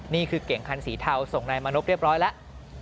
นี่คือเก่งคันสีเทาส่งนายมานพเรียบร้อยแล้ว